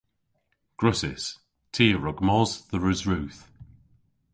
Gwrussys. Ty a wrug mos dhe Resrudh.